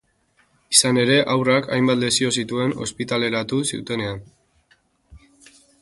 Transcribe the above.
Izan ere, haurrak hainbat lesio zituen ospitaleratu zutenean.